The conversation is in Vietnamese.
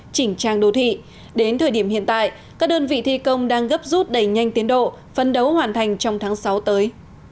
chỉnh trang đô thị đến thời điểm hiện tại các đơn vị thi công đang gấp rút đẩy nhanh tiến độ phân đấu hoàn thành trong tháng sáu tới